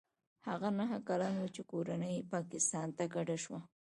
هغه نهه کلن و چې کورنۍ یې پاکستان ته کډه شوه.